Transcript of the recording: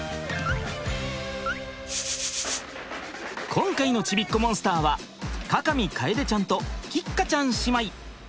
今回のちびっこモンスターは各務楓ちゃんと桔鹿ちゃん姉妹。